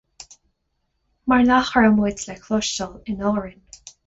Mar nach raibh muid le cloisteáil in Árainn.